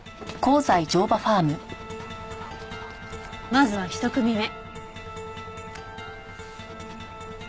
まずは１組目。